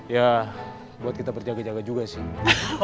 ya buat kita berjaga jaga juga sih